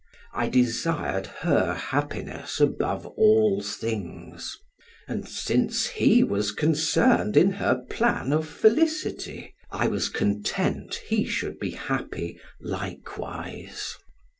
I desired her happiness above all things, and since he was concerned in her plan of felicity, I was content he should be happy likewise.